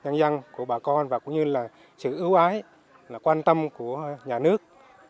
phẳng của nhân dân của bà con và cũng như là sự ưu ái quan tâm của nhà nước